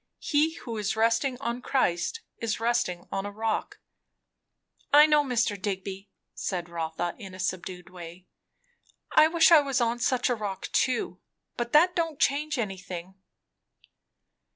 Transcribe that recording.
He who is resting on Christ, is resting on a rock." "I know, Mr. Digby," said Rotha, in a subdued way. "I wish I was on such a rock, too; but that don't change anything."